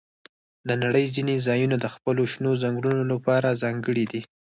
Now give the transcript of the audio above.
د نړۍ ځینې ځایونه د خپلو شنو ځنګلونو لپاره ځانګړي دي.